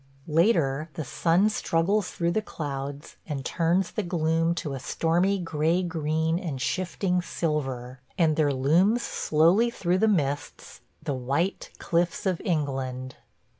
Later the sun struggles through the clouds and turns the gloom to a stormy gray green and shifting silver – and there looms slowly through the mists the white cliffs of England!